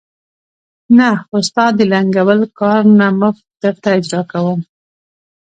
نه، خو ستا د لنګول کارونه مفت درته اجرا کوم.